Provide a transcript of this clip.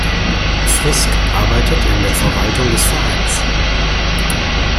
Frisk arbeitet in der Verwaltung des Vereins.